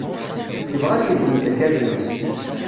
Yebɣa ad yessenz akal-nnes.